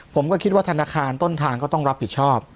ผมก็คิดว่าธนาคารต้นทางก็ต้องรับผิดชอบ